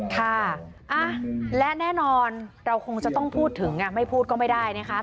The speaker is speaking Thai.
ค่ะและแน่นอนเราคงจะต้องพูดถึงไม่พูดก็ไม่ได้นะคะ